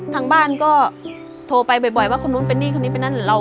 ทางบ้านก็โทรไปบ่อยว่าคนนู้นเป็นนี่คนนี้เป็นนั่นเรา